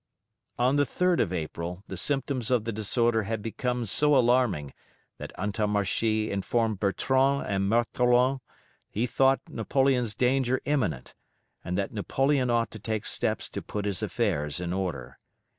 On the 3d of April the symptoms of the disorder had become so alarming that Antommarchi informed Bertrand and Montholon he thought Napoleon's danger imminent, and that Napoleon ought to take steps to put his affairs in order.